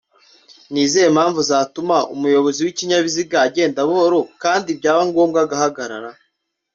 nizihe mpamvu zatuma umuyobozi w’ikinyabiziga agenda buhoro kdi byaba ngombwa agahagarara